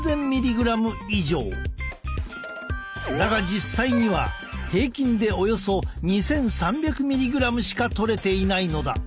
だが実際には平均でおよそ２，３００ｍｇしかとれていないのだ。